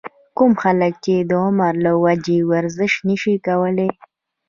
کوم خلک چې د عمر له وجې ورزش نشي کولے